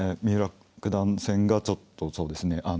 三浦九段戦がちょっとそうですね